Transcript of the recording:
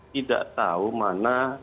tidak tahu mana